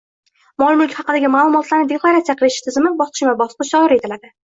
mol-mulki haqidagi ma’lumotlarni deklaratsiya qilish tizimi bosqichma-bosqich joriy etiladi.